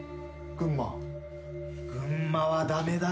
群馬は駄目だよ。